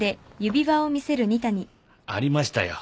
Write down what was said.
ありましたよ